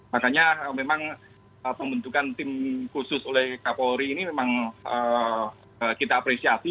makanya memang pembentukan tim khusus oleh kapolri ini memang kita apresiasi